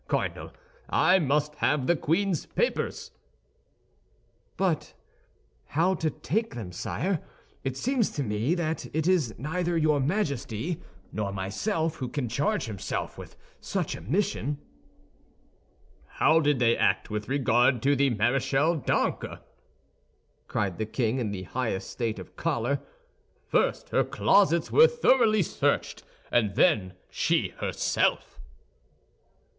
Cardinal, I must have the queen's papers." "But how to take them, sire? It seems to me that it is neither your Majesty nor myself who can charge himself with such a mission." "How did they act with regard to the Maréchale d'Ancre?" cried the king, in the highest state of choler; "first her closets were thoroughly searched, and then she herself."